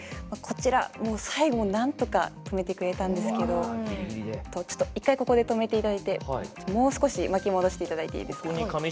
こちら、最後何とか止めてくれたんですけど１回、ここで止めていただいてもう少し巻き戻していただいていいですか。